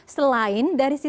selain dari sisi